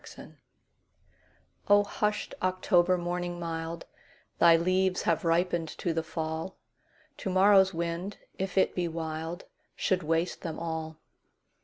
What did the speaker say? October O HUSHED October morning mild, Thy leaves have ripened to the fall; To morrow's wind, if it be wild, Should waste them all.